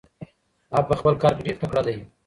هغه په خپل کار کې ډېر تکړه دی.